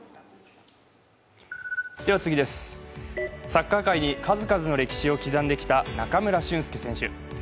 サッカー界に数々の歴史を刻んできた中村俊輔選手。